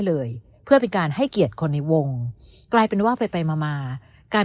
เลยเพื่อเป็นการให้เกียรติคนในวงกลายเป็นว่าไปไปมามาการ